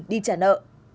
đi trả nợ